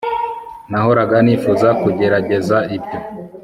Nahoraga nifuza kugerageza ibyo